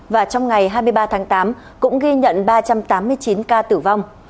và trong ngày hai mươi ba tháng tám cũng ghi nhận ba trăm tám mươi chín ca tử vong